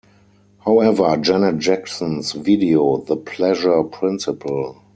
However, Janet Jackson's video "The Pleasure Principle".